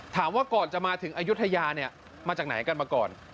ถามว่าก่อนจะมาถึงอายุทยาเนี่ยมาจากไหนกันมาก่อน